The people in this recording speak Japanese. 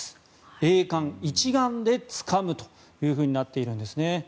栄冠、一丸でつかむとなっているんですね。